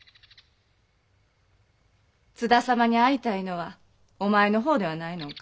津田様に会いたいのはお前の方ではないのか？